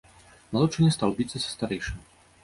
Малодшы не стаў біцца са старэйшым.